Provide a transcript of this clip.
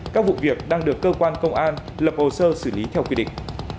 các vụ việc đang được cơ quan công an lập hồ sơ xử lý theo quy định